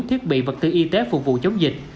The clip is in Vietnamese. thiết bị vật tư y tế phục vụ chống dịch